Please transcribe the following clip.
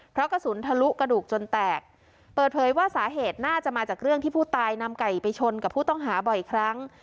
เพราะกระสุนทะลุกระดูกจนแตกเปิดเผยว่าสาเหตุน่าจะมาจากเรื่องที่ผู้ตายนำไก่ไปชนกับผู้ต้องหาบ่อยครั้ง